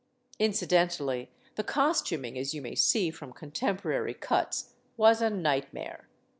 Incidentally, the costuming as you may see from contemporary cuts was a nightmare.